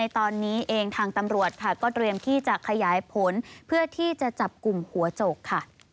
ตอนนี้เองทางตำรวจค่ะก็เตรียมที่จะขยายผลเพื่อที่จะจับกลุ่มหัวโจกค่ะ